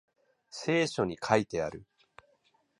聖書に書いてある